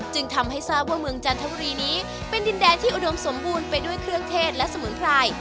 จึงทำให้ทราบว่าเมืองจันทบุรีนี้เป็นดินแดนที่อุดมสมบูรณ์ไปด้วยเครื่องเทศและสมุนไพร